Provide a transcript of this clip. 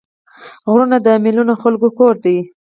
غرونه د میلیونونو خلکو کور دی